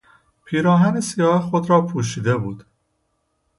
پیراهن سیاه خود را پوشیده بود.